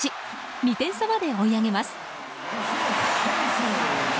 ２点差まで追い上げます。